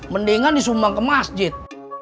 mendingan disumbang ke masjid